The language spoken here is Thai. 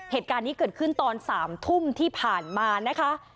เหตุการณ์นี้เกิดขึ้นตอน๓ทุ่มที่ผ่านมานะคะ